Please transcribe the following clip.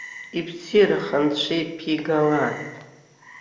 Ибзиараха анцәа ибԥигалааит!